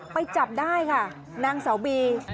ไปจับได้ค่ะนางสาวบี